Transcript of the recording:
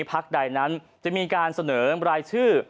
พักใดนั้นจะมีการเสนอรายชื่อ